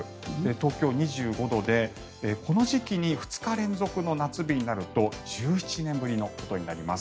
東京２５度で、この時期に２日連続の夏日になると１７年ぶりのことになります。